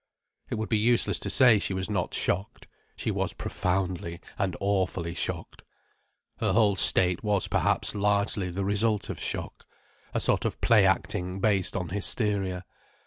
It would be useless to say she was not shocked. She was profoundly and awfully shocked. Her whole state was perhaps largely the result of shock: a sort of play acting based on hysteria.